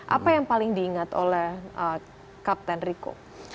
apa yang paling diingat oleh kapten rico